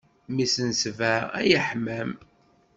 Mmi-s n sbeɛ ay aḥmam.